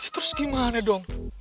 terus gimana dong